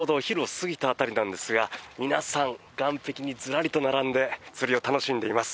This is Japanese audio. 平日の、ちょうどお昼を過ぎた辺りなんですが皆さん、岸壁にズラリと並んで釣りを楽しんでいます。